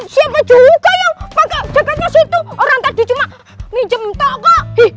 siapa juga yang pakai jakarta situ orang tadi cuma minjem toko